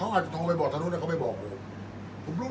อันไหนที่มันไม่จริงแล้วอาจารย์อยากพูด